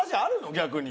逆に。